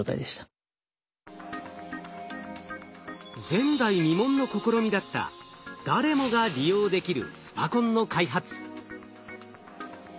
前代未聞の試みだった誰もが利用できるスパコンの開発。